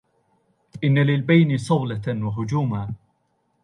إن للبين صولة وهجوما